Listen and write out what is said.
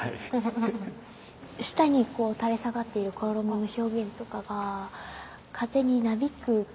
下に垂れ下がっている衣の表現とかが風になびくっていうか。